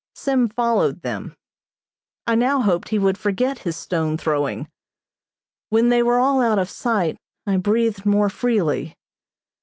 Sim followed them. I now hoped he would forget his stone throwing. When they were all out of sight I breathed more freely.